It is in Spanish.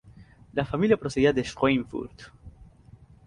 La familia procedía de Schweinfurt.